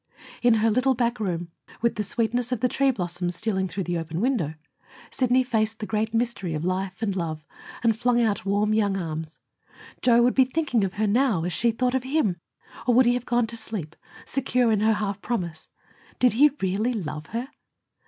In her little back room, with the sweetness of the tree blossoms stealing through the open window, Sidney faced the great mystery of life and love, and flung out warm young arms. Joe would be thinking of her now, as she thought of him. Or would he have gone to sleep, secure in her half promise? Did he really love her?